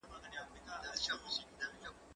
هغه څوک چي قلم کاروي پوهه زياتوي،